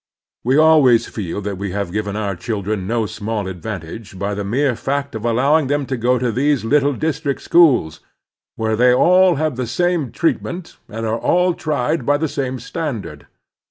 We always feel that we have given our children no small advantage by the mere fact of allowing them to go to these little district schools, where they all have the same treatment and are all tried by the same standard.